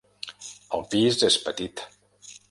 El pis és petit.